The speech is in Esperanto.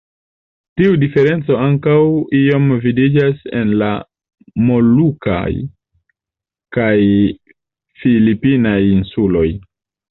Tiu diferenco ankaŭ iom vidiĝas en la molukaj kaj filipinaj insuloj.